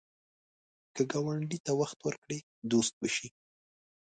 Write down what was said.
که ګاونډي ته وخت ورکړې، دوست به شي